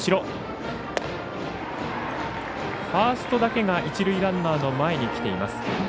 ファーストだけが一塁ランナーの前にきています。